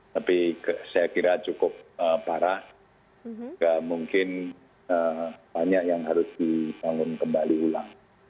tapi saya kira cukup parah mungkin banyak yang harus dibangun kembali ulang